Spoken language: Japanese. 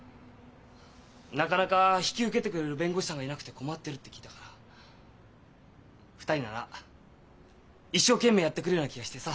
なかなか引き受けてくれる弁護士さんがいなくて困ってるって聞いたから２人なら一生懸命やってくれるような気がしてさ。